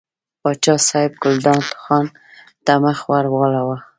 پاچا صاحب ګلداد خان ته مخ ور واړاوه.